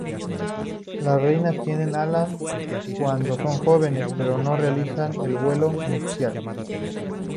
Las reinas tienen alas cuando son jóvenes, pero no realizan el vuelo nupcial.